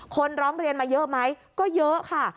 ร้องเรียนมาเยอะไหมก็เยอะค่ะ